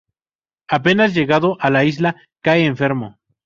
Apenas llegado a la isla cae enfermo.